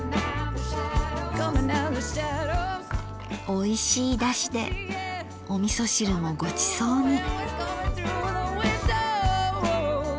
おいしいだしでおみそ汁もごちそうに。